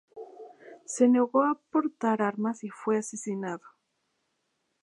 Se negó a portar armas y fue asesinado.